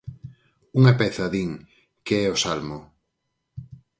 Unha peza, din, que "é o salmo".